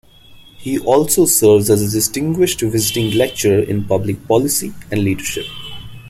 He also serves as a Distinguished Visiting Lecturer in Public Policy and Leadership.